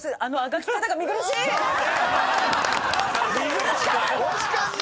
見苦しかった！